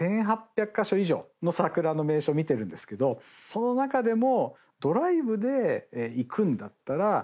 その中でも。